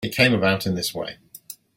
It came about in this way.